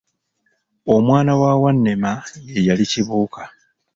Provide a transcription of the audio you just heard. Omwana wa Wannema ye yali Kibuuka.